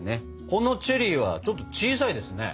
このチェリーはちょっと小さいですね。